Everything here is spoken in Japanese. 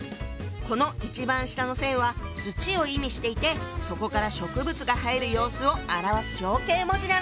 この一番下の線は土を意味していてそこから植物が生える様子を表す象形文字なの。